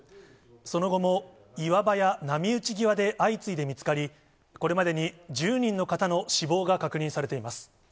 その後も、岩場や波打ち際で相次いで見つかり、これまでに１０人の方の死亡が確認されています。